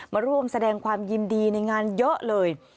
มาร่วมแสดงความยินดีในงานเยอะเลย